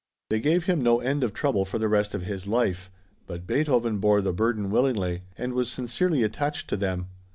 They gave him no end of trouble for the rest of his life, but Beethoven bore the burden willingly and was sincerely attached to them.